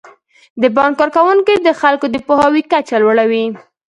د بانک کارکوونکي د خلکو د پوهاوي کچه لوړوي.